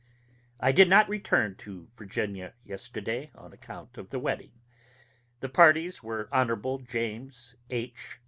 I did not return to Virginia yesterday, on account of the wedding. The parties were Hon. James H.